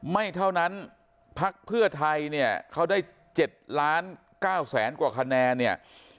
ไม่เท่านั้นพักเพื่อไทยเนี่ยเขาได้๗ล้าน๙แสนกว่าคะแนนเนี่ย